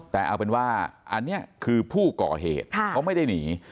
แต่เอาเป็นว่าอันนี้คือผู้ก่อเหตุเขาไม่ได้หนี